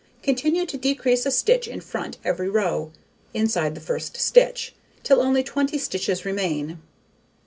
Continue to decrease a stitch in front every row (inside the first stitch) till only 20 stitches remain.